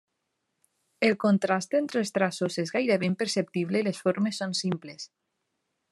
El contrast entre els traços és gairebé imperceptible i les formes són simples.